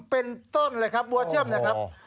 เป็นต้นเลยครับบัวเชื่อมนะครับ